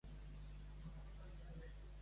Corders i carnissers, nos amb nos.